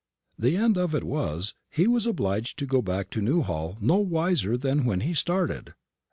The end of it was, he was obliged to go back to Newhall no wiser than when he started."